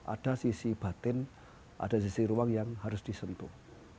ada sisi batin ada sisi ruang yang harus disentuh